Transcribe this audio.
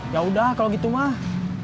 yaudah kalau gitu mah